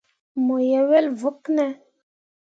Mo ye wel vokki ne.